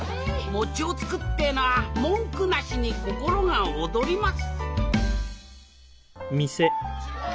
餅をつくってえのは文句なしに心が躍ります！